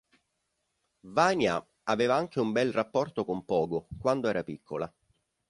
Vanya aveva anche un bel rapporto con Pogo, quando era piccola.